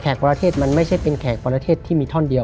ประเทศมันไม่ใช่เป็นแขกประเทศที่มีท่อนเดียว